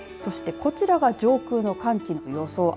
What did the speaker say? そしてこちらが上空の寒気の予想